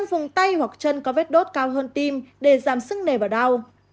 năm vùng tay hoặc chân có vết đốt cao hơn tim để giảm sức nề vào đau